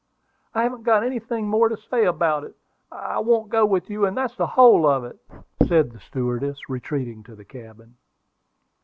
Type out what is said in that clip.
"I haven't got anything more to say about it. I won't go with you; and that's the whole of it," said the stewardess, retreating to the cabin.